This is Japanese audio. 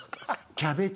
キャベツ？